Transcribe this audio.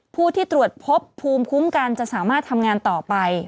ผู้ที่ตรวจพบภูมิคุ้มกันจะสามารถทำงานต่อไป